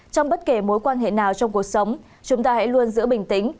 trong bất kể mối quan hệ nào trong cuộc sống chúng ta hãy luôn giữ bình tĩnh